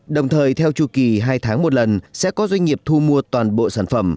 đồng thời theo chu kỳ hai tháng một lần sẽ có doanh nghiệp thu mua toàn bộ sản phẩm